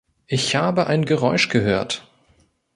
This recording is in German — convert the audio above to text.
Ich habe ein Geräusch gehört.